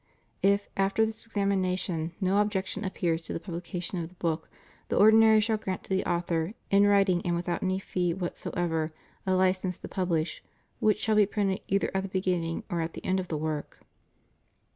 If, after this examination, no objection appears to the publication of the book, the ordinary shall grant to the author, in writing and without any fee whatsoever, a license to publish, which shall be printed either at the beginning or at the end of the work.